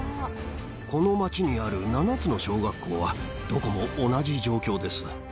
この町にある７つの小学校は、どこも同じ状況です。